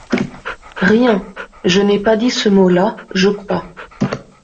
Rien ; je n’ai pas dit ce mot-là, je crois.